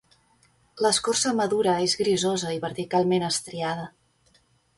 L'escorça madura és grisosa i verticalment estriada.